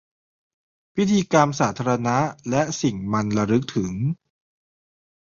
พิธีกรรมสาธารณะและสิ่งมันระลึกถึง